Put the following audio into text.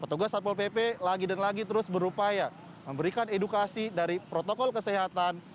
petugas satpol pp lagi dan lagi terus berupaya memberikan edukasi dari protokol kesehatan